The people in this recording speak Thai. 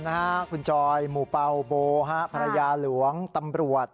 คุณจอยหมู่เป่าโบฮะภรรยาหลวงตำรวจ